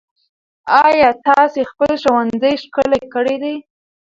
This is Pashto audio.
ايا تاسې خپل ښوونځی ښکلی کړی دی؟